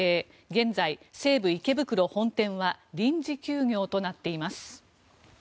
現在、西武池袋本店は臨時休業となっています。